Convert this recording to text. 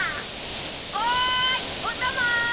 おいおたま！